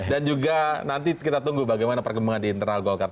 dan juga nanti kita tunggu bagaimana perkembangan di internal golkar